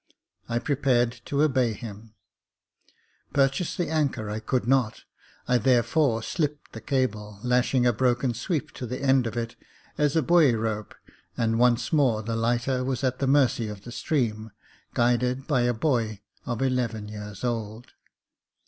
I prepared to obey him. Purchase the anchor I could not ; I therefore slipped the cable, lashing a broken sweep to the end of it, as a buoy rope, and once more the lighter was at the mercy of the stream, guided by a boy of eleven years old.